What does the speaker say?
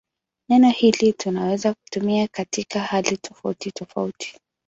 Neno hili tunaweza kutumia katika hali tofautitofauti.